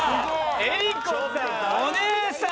お姉さん！